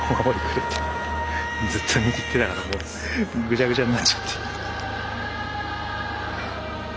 ずっと握ってたからぐちゃぐちゃになっちゃって。